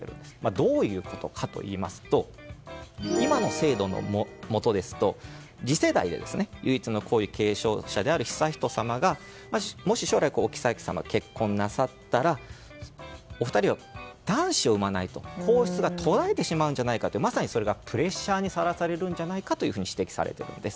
どういうことかといいますと今の制度のもとですと次世代で唯一の皇位継承者である悠仁さまがもし将来、お妃さまと結婚なさったらお二人は、男子を産まないと皇室が途絶えてしまうのではとまさに、それがプレッシャーにさらされるんじゃないかと指摘されているんです。